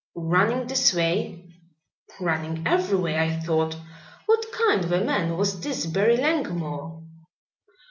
"Running this way?" "Running every way, I thought. What kind of a man was this Barry Langmore?"